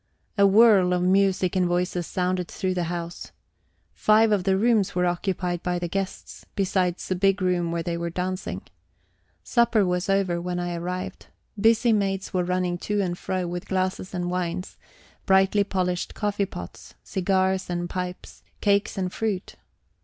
A whirl of music and voices sounded through the house. Five of the rooms were occupied by the guests, besides the big room where they were dancing. Supper was over when I arrived. Busy maids were running to and fro with glasses and wines, brightly polished coffee pots, cigars and pipes, cakes and fruit.